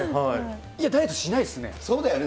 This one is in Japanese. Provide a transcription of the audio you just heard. いや、ダイエットしないですそうだよね。